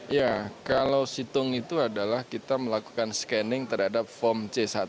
ya kalau situng itu adalah kita melakukan scanning terhadap form c satu